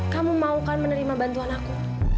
kamu maukan menerima bantuan aku